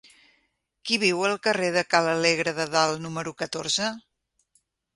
Qui viu al carrer de Ca l'Alegre de Dalt número catorze?